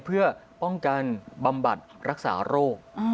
เพื่อป้องกันบำบัดรักษาโรค